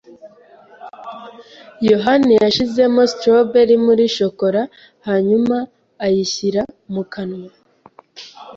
yohani yashizemo strawberry muri shokora hanyuma ayishyira mu kanwa.